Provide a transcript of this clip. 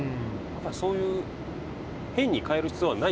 そういう変に変える必要はない。